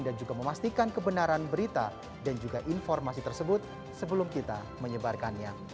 dan juga memastikan kebenaran berita dan juga informasi tersebut sebelum kita menyebarkannya